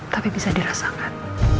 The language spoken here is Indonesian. tapi bisa dirasakan